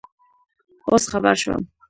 اوس خبر شوم